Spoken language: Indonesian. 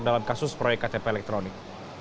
dalam kasus proyek ktp elektronik